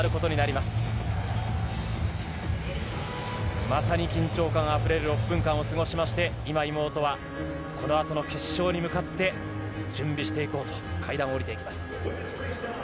まさに緊張感あふれる６分間を過ごしまして、今、妹は、このあとの決勝に向かって、準備していこうと、階段を下りていきます。